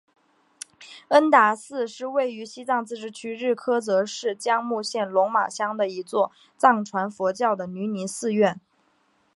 恩达寺是位于西藏自治区日喀则市江孜县龙马乡的一座藏传佛教的女尼寺院。